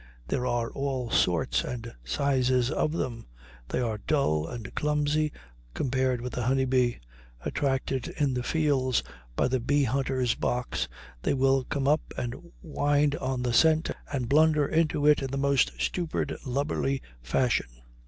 There are all sorts and sizes of them. They are dull and clumsy compared with the honey bee. Attracted in the fields by the bee hunter's box, they will come up the wind on the scent and blunder into it in the most stupid, lubberly fashion.